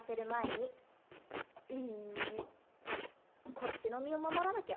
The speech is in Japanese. こっちの身を守らなきゃ。